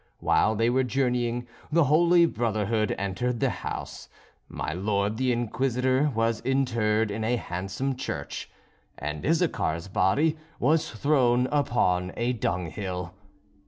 While they were journeying, the Holy Brotherhood entered the house; my lord the Inquisitor was interred in a handsome church, and Issachar's body was thrown upon a dunghill.